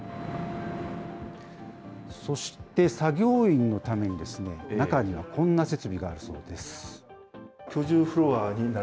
そして、作業員のために、中にはこんな設備があるそうです。